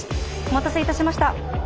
お待たせいたしました。